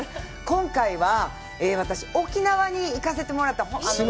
今回は、私、沖縄に行かせてもらって。